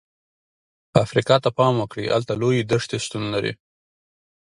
افریقا ته پام وکړئ، هلته لویې دښتې شتون لري.